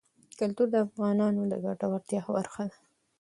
کلتور د افغانانو د ګټورتیا برخه ده.